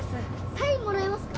サインもらえますか？